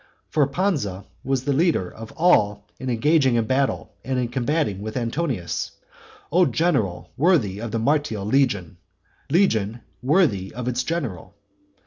For Pansa was the leader of all in engaging in battle and in combating with Antonius; O general worthy of the martial legion, legion worthy of its general!